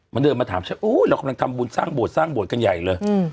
มันเดินมาถามอู้วเราคำนำทำบุญสร้างบวชสร้างบวชกันใหญ่เลย